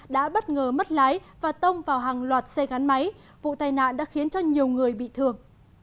đã bất ngờ mất lái và tông vào hàng loạt xe gắn máy vụ tai nạn đã khiến cho nhiều người bị thương